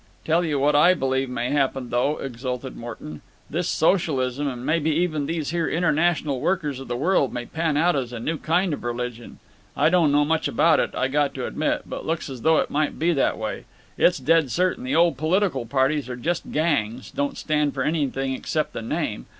"Tell you what I believe may happen, though," exulted Morton. "This socialism, and maybe even these here International Workers of the World, may pan out as a new kind of religion. I don't know much about it, I got to admit. But looks as though it might be that way. It's dead certain the old political parties are just gangs—don't stand for anything except the name.